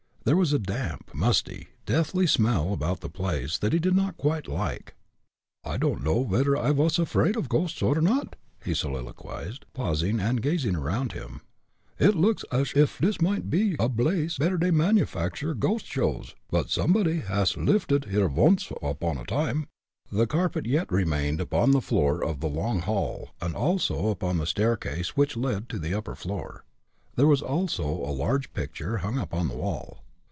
There was a damp, musty, deathly smell about the place that he did not quite like. "I don'd know vedder I vas afraid of ghosts or not," he soliloquized, pausing and gazing around him. "It looks ash uff dis might be a blace vere dey manufacture ghost shows; but somebody has liffed here vonce upon a time." The carpet yet remained upon the floor of the long hall, and also upon the staircase which led to the upper floor. There was also a large picture hung upon the wall.